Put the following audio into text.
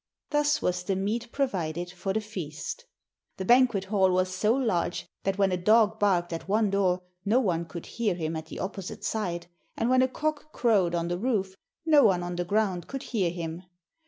Thus was the meat provided for the feast. The banquet hall was so large that when a dog barked at one door no one could hear him at the opposite side, and when a cock crowed on the roof no one on the ground could hear him.